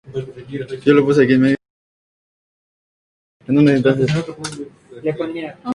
Ese mismo año, se inauguró una terminal más grande y moderna.